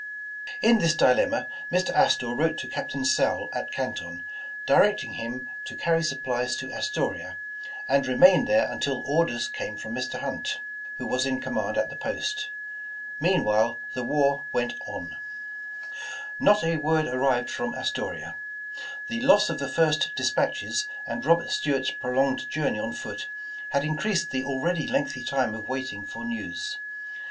In this dilemma, Mr. Astor wrote to Captain Sowle at Canton, directing him to carry supplies to Astoria, and remain there until orders came from Mr. Hunt, who was in command at the post. Meanwhile the wa^ went on. 203 The Original John Jacob Astor Not a word arrived from Astoria. The loss of the first despatches and Robert Stuart's prolonged journey on foot, had increased the already lengthy time of waiting for news.